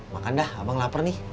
makan dah abang lapar nih